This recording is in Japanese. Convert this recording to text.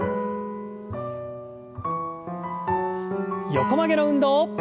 横曲げの運動。